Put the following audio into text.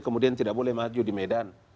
kemudian tidak boleh maju di medan